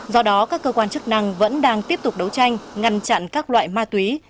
do đó các cơ quan chức năng vẫn đang tiếp tục đấu tranh ngăn chặn các loại ma túy